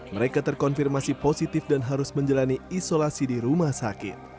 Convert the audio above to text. mereka terkonfirmasi positif dan harus menjalani isolasi di rumah sakit